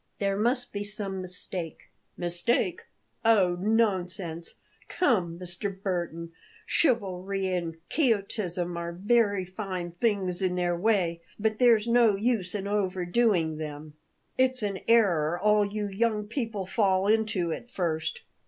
"There must be some mistake." "Mistake? Oh, nonsense! Come, Mr. Burton, chivalry and quixotism are very fine things in their way; but there's no use in overdoing them. It's an error all you young people fall into at first.